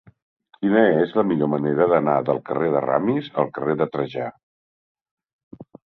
Quina és la millor manera d'anar del carrer de Ramis al carrer de Trajà?